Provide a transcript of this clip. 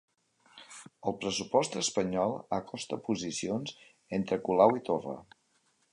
El pressupost espanyol acosta posicions entre Colau i Torra